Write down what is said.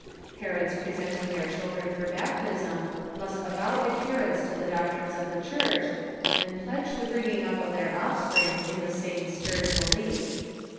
Parents presenting their children for baptism must avow ad herence to the doctrines of the Church, and pledge the bring ing up of their offspring in the same stern belief.